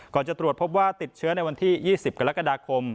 จะตรวจพบว่าติดเชื้อในวันที่๒๐กรกฎาคม